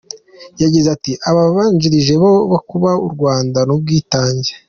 Yagize ati “Abababanjirije bari kubaka u Rwanda n’ubwitange.